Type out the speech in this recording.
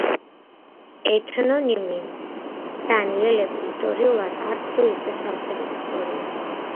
ეთნონიმი დანიელები ისტორიულად არც თუ სავსებით სწორია.